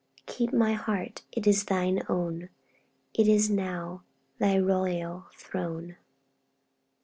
'Keep my heart; it is Thine own; _It is now Thy royal throne.'